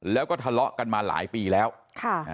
แล้วก็ทะเลาะกันมาหลายปีแล้วค่ะอ่า